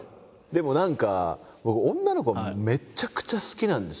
でも何か僕女の子めちゃくちゃ好きなんですよ。